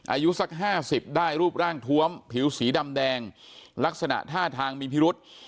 อายุสัก๕๐ได้รูปร่างทวมผิวสีดำแดงลักษณะท่าทางมีพิรุษ